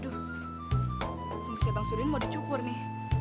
aduh kumisnya bang surin mau dicukur nih